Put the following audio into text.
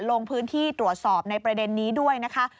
ลงพื้นที่ตรวจสอบในประเด็นนี้ด้วยนะคะ